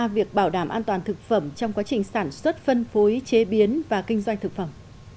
việc bảo đảm an toàn thực phẩm trong quá trình sản xuất phân phối chế biến và kinh doanh thực phẩm